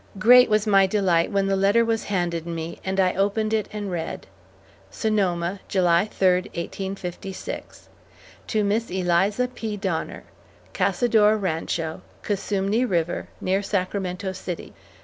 Great was my delight when the letter was handed me, and I opened it and read: SONOMA, July 3, 1856 To Miss ELIZA P. DONNER: CASADOR RANCHO, COSUMNE RIVER NEAR SACRAMENTO CITY.